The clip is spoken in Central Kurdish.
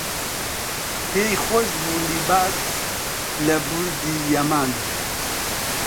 پێی خۆش بوو لیباس لە بوردی یەمان